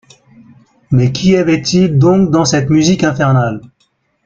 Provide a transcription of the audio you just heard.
Mais qu’y avait-il donc dans cette musique infernale?